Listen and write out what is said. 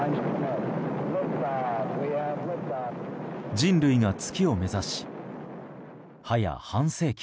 人類が月を目指しはや半世紀。